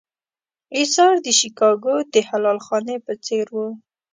اېثار د شیکاګو د حلال خانې په څېر و.